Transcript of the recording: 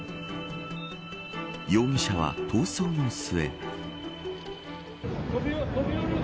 容疑者は逃走の末。